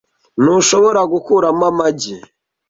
Ntushobora gukuramo amagi .